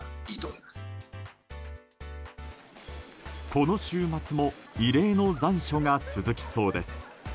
この週末も異例の残暑が続きそうです。